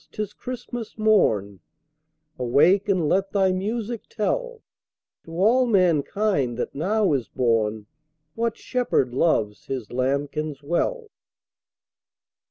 't is Christmas morn Awake and let thy music tell To all mankind that now is born What Shepherd loves His lambkins well!"